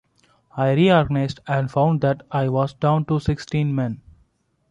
I reorganized and found that I was down to sixteen men.